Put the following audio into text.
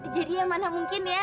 jadi ya mana mungkin ya